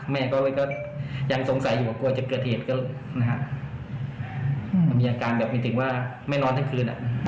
แม่ก็ยังสงสัยอยู่กลัวจะเกิดเหตุก็นะฮะมันมีอาการแบบหมายถึงว่าไม่นอนทั้งคืน